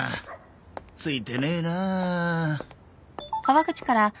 ツイてねえなあ。